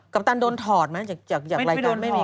ปตันโดนถอดไหมจากรายการไม่มี